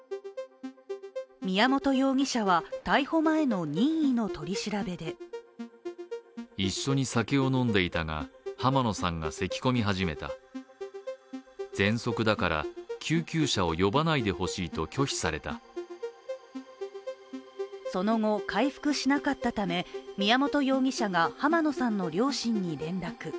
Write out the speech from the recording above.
宮本容疑者は逮捕前の任意の取り調べでその後、回復しなかったため宮本容疑者が濱野さんの両親に連絡。